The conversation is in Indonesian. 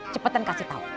cepetan kasih tau